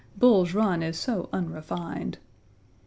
Bull's Run is so unrefined.